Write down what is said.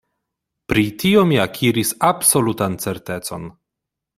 Pri tio mi akiris absolutan certecon.